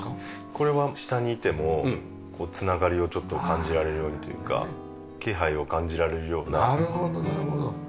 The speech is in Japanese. これは下にいても繋がりをちょっと感じられるようにというか気配を感じられるような造りになってて。